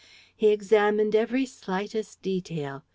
He examined every slightest detail.